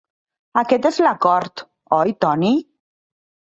Aquest és l'acord, oi Toni?